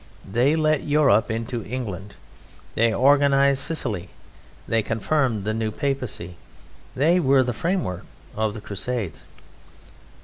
They let Europe into England, they organized Sicily, they confirmed the New Papacy, they were the framework of the Crusades.